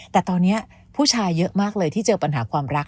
แต่ตอนนี้ผู้ชายเยอะมากเลยที่เจอปัญหาความรัก